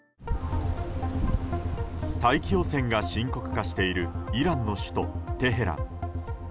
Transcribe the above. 大気汚染が深刻化しているイランの首都テヘラン。